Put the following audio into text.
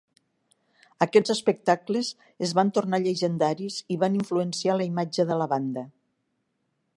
Aquests espectacles es van tornar llegendaris i van influenciar la imatge de la banda.